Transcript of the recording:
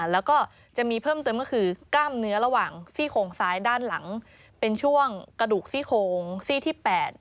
แล้วก็จะมีเพิ่มเติมก็คือกล้ามเนื้อระหว่างซี่โครงซ้ายด้านหลังเป็นช่วงกระดูกซี่โคงซี่ที่๘